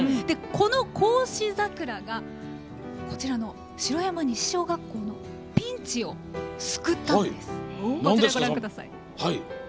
この孝子桜がこちらの城山西小学校のピンチを救ったんです。